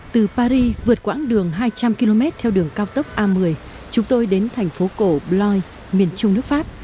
từ paris vượt quãng đường hai trăm linh km theo đường cao tốc a một mươi chúng tôi đến thành phố cổ blois miền trung nước pháp